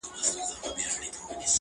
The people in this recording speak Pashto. ستا هغه رنگين تصوير،